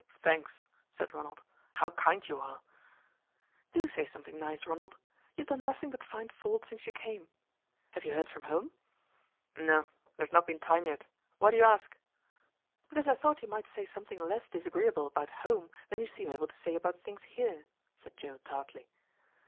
"Thanks," said Ronald. "How kind you are!" "Do say something nice, Ronald. You have done nothing but find fault since you came. Have you heard from home?" "No. There has not been time yet. Why do you ask?" "Because I thought you might say something less disagreeable about home than you seem able to say about things here," said Joe tartly.